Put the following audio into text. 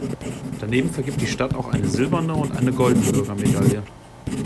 Daneben vergibt die Stadt auch eine silberne und eine goldene Bürgermedaille.